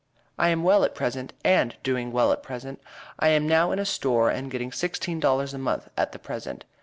i am well at present and doing well at present i am now in a store and getting sixteen dollars a month at the present.